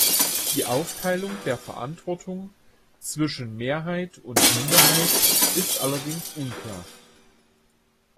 Die Aufteilung der Verantwortung zwischen Mehrheit und Minderheit ist allerdings unklar.